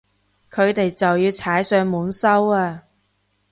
佢哋就要踩上門收啊